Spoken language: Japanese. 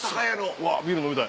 うわビール飲みたい。